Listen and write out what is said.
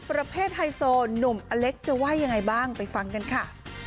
ไฮโซหนุ่มอเล็กจะว่ายังไงบ้างไปฟังกันค่ะ